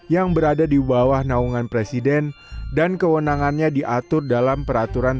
yang berada di bawah naungan presiden dan kewenangannya diatur dalam peraturan